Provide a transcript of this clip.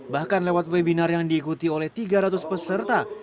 bahkan lewat webinar yang diikuti oleh tiga ratus peserta